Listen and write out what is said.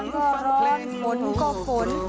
โหร้อนก็ร้อนฝนก็ฝน